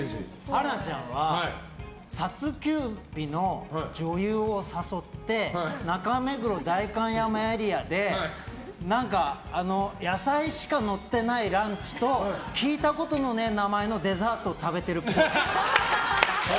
春菜ちゃんは撮休日の女優を誘って中目黒、代官山エリアで野菜しかのってないランチと聞いたことのない名前のデザートを食べてるっぽい。